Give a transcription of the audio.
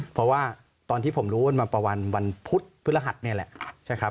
เพราะว่าตอนที่ผมรู้ว่ามันประวันวันพุธพฤหัสนี่แหละ